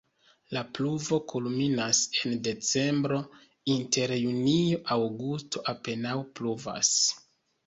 La pluvo kulminas en decembro, inter junio-aŭgusto apenaŭ pluvas.